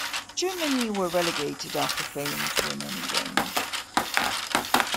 Germany were relegated after failing to win any games.